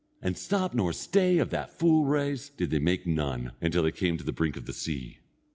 And stop nor stay of that full race, did they make none, until they came to the brink of the sea.